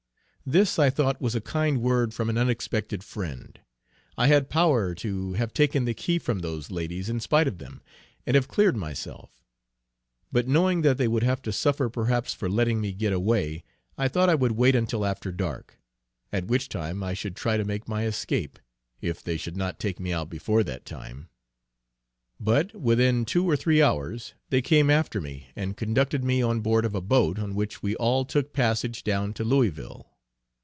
This I thought was a kind word from an unexpected friend: I had power to have taken the key from those ladies, in spite of them, and have cleared myself; but knowing that they would have to suffer perhaps for letting me get away, I thought I would wait until after dark, at which time I should try to make my escape, if they should not take me out before that time. But within two or three hours, they came after me, and conducted me on board of a boat, on which we all took passage down to Louisville.